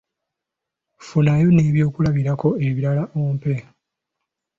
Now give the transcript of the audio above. Funayo n’ebyokulabirako ebirala obimpe.